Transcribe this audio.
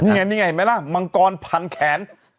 นี่ไงนี่ไงเห็นไหมล่ะมังกรพันแขน